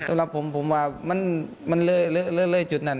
สำหรับผมผมว่ามันเลอะเลยจุดนั้น